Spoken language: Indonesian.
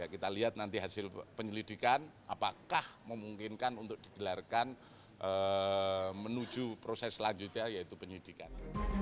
kita lihat nanti hasil penyelidikan apakah memungkinkan untuk digelarkan menuju proses selanjutnya yaitu penyidikan